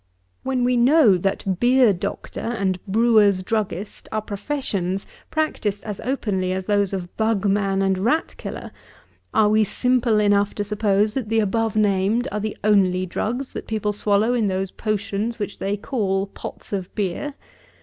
When we know, that beer doctor and brewers' druggist are professions, practised as openly as those of bug man and rat killer, are we simple enough to suppose that the above named are the only drugs that people swallow in those potions, which they call pots of beer?